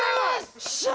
よっしゃー！